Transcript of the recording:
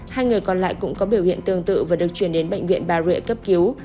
hai người còn lại cũng có biểu hiện tương tự và được chuyển đến bệnh viện bà rịa cấp cứu